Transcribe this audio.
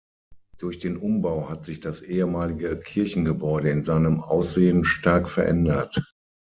Durch den Umbau hat sich das ehemalige Kirchengebäude in seinem Aussehen stark verändert.